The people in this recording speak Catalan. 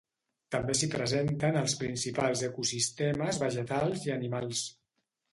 També s'hi presenten els principals ecosistemes vegetals i animals.